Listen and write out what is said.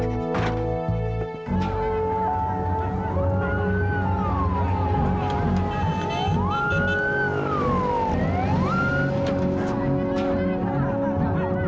ngerti yang billion prostit trki jatuh bye